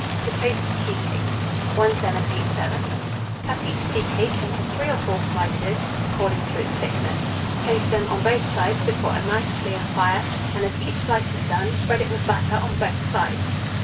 TO TOAST TEA CAKES. [Illustration: TEA CAKES.] 1787. Cut each tea cake into three or four slices, according to its thickness; toast them on both sides before a nice clear fire, and as each slice is done, spread it with butter on both sides.